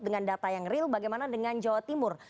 dengan data yang real bagaimana dengan jawa timur